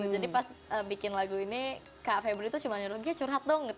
jadi pas bikin lagu ini kak febri tuh cuma nyuruh ghea curhat dong gitu